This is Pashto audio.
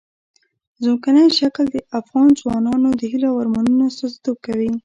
ځمکنی شکل د افغان ځوانانو د هیلو او ارمانونو استازیتوب کوي.